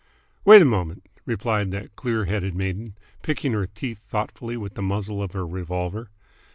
"Wait a mom'nt," replied that clear headed maiden, picking her teeth thoughtfully with the muzzle of her revolver.